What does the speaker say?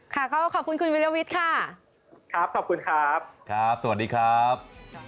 ค่ะก็ขอบคุณคุณวิรวิทย์ค่ะครับขอบคุณครับครับสวัสดีครับ